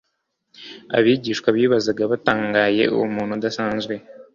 Abigishwa bibazaga batangaye uwo muntu udasanzwe,